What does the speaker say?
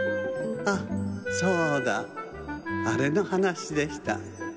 あそうだあれのはなしでした。